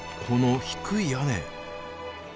この低い屋根。